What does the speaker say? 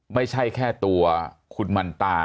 มีความรู้สึกว่า